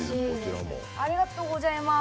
ありがとうございます。